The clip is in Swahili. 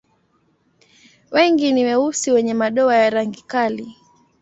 Wengi ni weusi wenye madoa ya rangi kali.